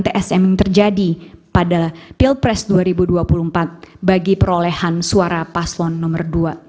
tsm yang terjadi pada pilpres dua ribu dua puluh empat bagi perolehan suara paslon nomor dua